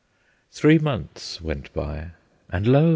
Three months went by; and lo!